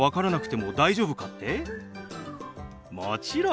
もちろん。